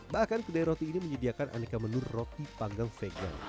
bahkan kedai roti ini menyediakan aneka menu roti panggang vegan